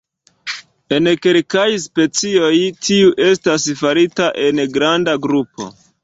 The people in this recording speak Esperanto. En kelkaj specioj, tiu estas farita en granda grupo.